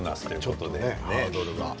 ちょっとね、ハードルが。